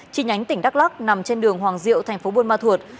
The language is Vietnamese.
chi nhánh tỉnh đắk lắc nằm trên đường hoàng diệu thành phố buôn ma thuột